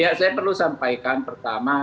ya saya perlu sampaikan pertama